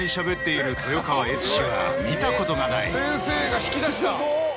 先生が引き出した。